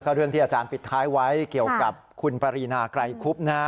เรื่องที่อาจารย์ปิดท้ายไว้เกี่ยวกับคุณปรีนาไกรคุบนะฮะ